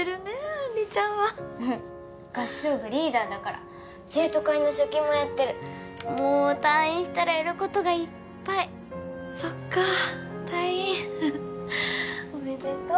杏里ちゃんはうん合唱部リーダーだから生徒会の書記もやってるもう退院したらやることがいっぱいそっか退院おめでとう